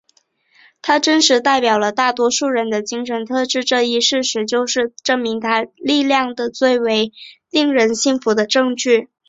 他真实代表了大多数人的精神特质这一事实就是证明他力量的最为令人信服的证据。